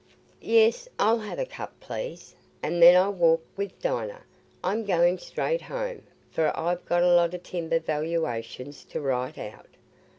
"Yes, I'll have a cup, please; and then I'll walk with Dinah. I'm going straight home, for I've got a lot o' timber valuations to write out."